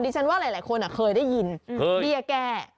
ฉันว่าหลายคนเคยได้ยินเบี้ยแก้